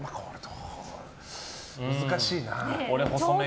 難しいな。